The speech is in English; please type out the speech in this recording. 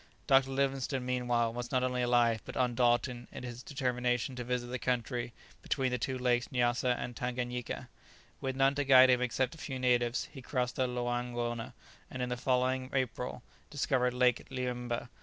Dr. Livingstone meanwhile was not only alive, but undaunted in his determination to visit the country between the two lakes Nyassa and Tanganyika. With none to guide him except a few natives, he crossed the Loangona, and in the following April discovered Lake Liemmba.